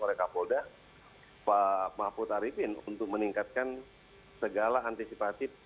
oleh kapolda pak mahfud arifin untuk meningkatkan segala antisipatif